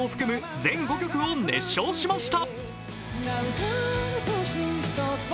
全５曲を熱唱しました。